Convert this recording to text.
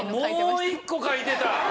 もう一個描いてた？